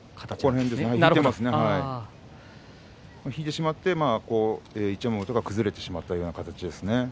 引いてしまって一山本が崩れてしまったような形ですね。